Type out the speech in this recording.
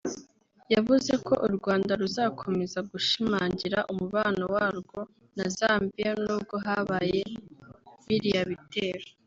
yavuze ko u Rwanda ruzakomeza gushimangira umubano warwo na Zambia nubwo habaye biriya bitero